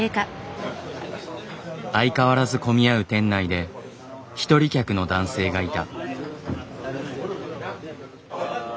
相変わらず混み合う店内で一人客の男性がいた。